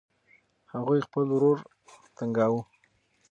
هغوی خپل ورور تنګاوه.